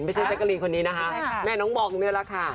ไม่ใช่แช๊การีนคนนี้แม่น้องมองนี่แหละค่ะ